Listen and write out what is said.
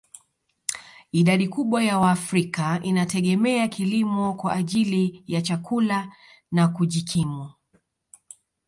Idadi kubwa ya waafrika inategemea kilimo kwa ajili ya chakula na kujikimu